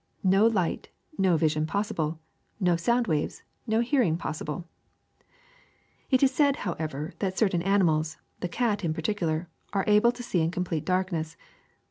No light, no vision possible; no sound waves, no hearing possible. It is said, however, that certain animals — the cat in particular — are able to see in complete darkness.